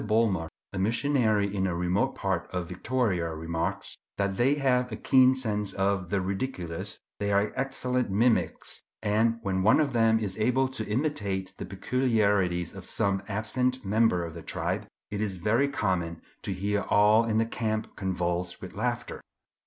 Bulmer, a missionary in a remote part of Victoria, remarks, "that they have a keen sense of the ridiculous; they are excellent mimics, and when one of them is able to imitate the peculiarities of some absent member of the tribe, it is very common to hear all in the camp convulsed with laughter."